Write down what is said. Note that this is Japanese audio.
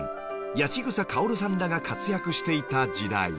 八千草薫さんらが活躍していた時代